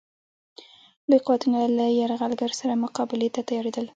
لوی قوتونه له یرغلګر سره مقابلې ته تیارېدل.